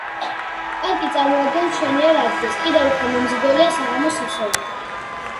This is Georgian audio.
პარკი წარმოადგენს მშვენიერ ადგილს, კიდევ უფრო მიმზიდველია საღამოს სასეირნოდ.